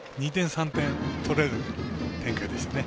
２点、３点、取れる展開でしたね。